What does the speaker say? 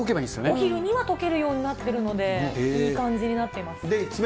お昼にはとけるようになっているので、いい感じになっています。